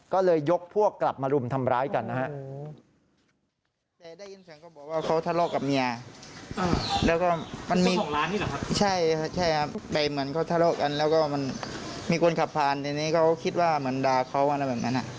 ก็เลยยกพวกกลับมารุมทำร้ายกันนะฮะ